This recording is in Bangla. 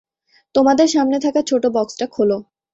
তোমাদের সামনে থাকা ছোট বক্সটা খোলো।